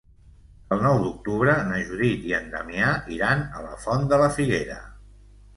El nou d'octubre na Judit i en Damià iran a la Font de la Figuera.